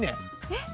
えっ？